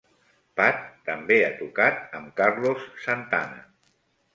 Pat també ha tocat amb Carlos Santana.